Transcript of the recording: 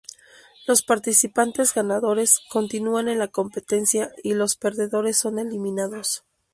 Los participantes ganadores continúan en la competencia y los perdedores son eliminados.